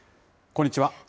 こんにちは。